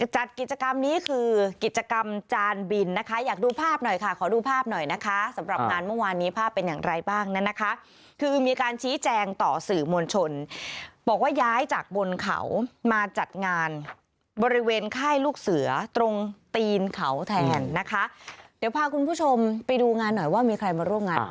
จัดกิจกรรมนี้คือกิจกรรมจานบินนะคะอยากดูภาพหน่อยค่ะขอดูภาพหน่อยนะคะสำหรับงานเมื่อวานนี้ภาพเป็นอย่างไรบ้างนั้นนะคะคือมีการชี้แจงต่อสื่อมวลชนบอกว่าย้ายจากบนเขามาจัดงานบริเวณค่ายลูกเสือตรงตีนเขาแทนนะคะเดี๋ยวพาคุณผู้ชมไปดูงานหน่อยว่ามีใครมาร่วมงาน